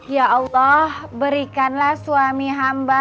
ya allah berikanlah suami hamba